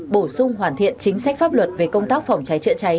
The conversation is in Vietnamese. bổ sung hoàn thiện chính sách pháp luật về công tác phòng cháy chữa cháy